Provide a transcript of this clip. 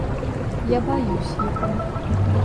Я боюсь его.